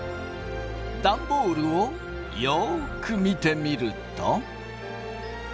ダンボールをよく見てみると。